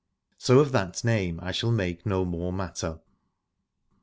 So of that name I shall make no more matter.